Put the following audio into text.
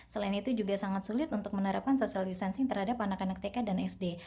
selain itu juga sangat sulit untuk menerapkan social distancing terhadap anak anak tk dan sd